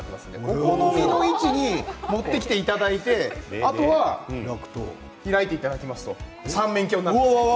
お好みの位置に持ってきていただいてあとは開いていただきますと三面鏡になるんです。